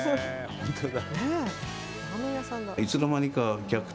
本当だ。